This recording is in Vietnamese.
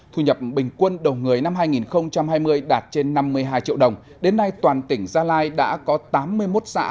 thu nhập bình quân đầu người năm hai nghìn hai mươi đạt trên năm mươi hai triệu đồng đến nay toàn tỉnh gia lai đã có tám mươi một xã